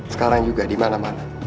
sekarang juga dimana mana